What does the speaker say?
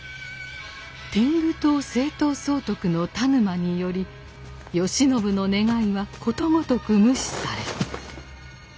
天狗党征討総督の田沼により慶喜の願いはことごとく無視され。